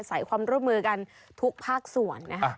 ใส่ความร่วมมือกันทุกภาคส่วนนะครับ